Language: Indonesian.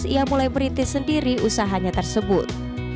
ia mulai merintis sendiri usahanya tersebut